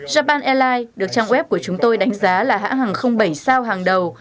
japan airlines được trang web của chúng tôi đánh giá là hãng hàng bảy sao hàng đầu